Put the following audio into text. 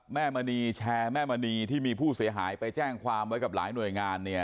แม่มณีแชร์แม่มณีที่มีผู้เสียหายไปแจ้งความไว้กับหลายหน่วยงานเนี่ย